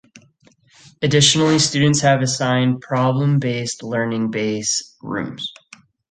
Additionally, students have assigned problem-based learning base rooms.